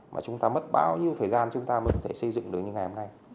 mà chúng ta mất bao nhiêu thời gian chúng ta mới có thể xây dựng được như ngày hôm nay